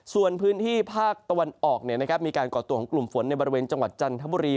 ส่วนพื้นที่ภาคตะวันออกมีการก่อตัวของกลุ่มฝนในบริเวณจังหวัดจันทบุรี